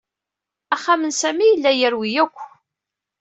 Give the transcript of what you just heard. Axxam n Sami yella yerwi akk.